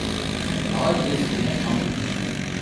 And all this in a comic book!